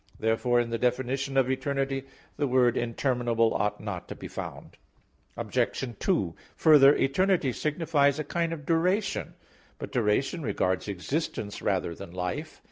Therefore in the definition of eternity the word "interminable" ought not to be found. Obj. 2: Further, eternity signifies a certain kind of duration. But duration regards existence rather than life.